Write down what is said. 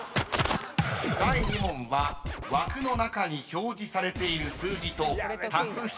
［第２問は枠の中に表示されている数字と＋−×÷